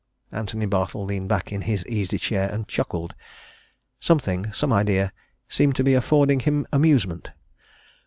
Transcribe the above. Antony Bartle leaned back in his easy chair and chuckled something, some idea, seemed to be affording him amusement.